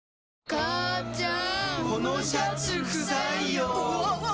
母ちゃん！